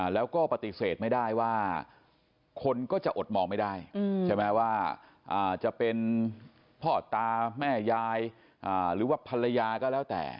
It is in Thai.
แล้วก็ปฏิเสธไม่ได้ว่าคนก็จะอดมองไม่ได้ใช่ไหมว่าจะเป็นพ่อตาแม่ยายหรือว่าภรรยาก็แล้วแต่